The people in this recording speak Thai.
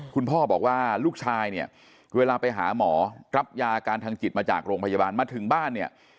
คุณพ่อบอกว่าลูกชายเนี่ยเวลาไปหาหมอรับยาการทางจิตมาจากโรงพยาบาลมาถึงบ้านเนี่ย